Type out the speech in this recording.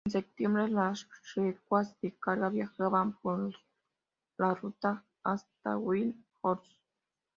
En septiembre, las recuas de carga viajaban por la ruta hasta Wild Horse.